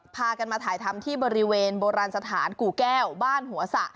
พากันมาถ่ายทำที่บริเวณโบราณสถานกู่แก้วบ้านหัวสะ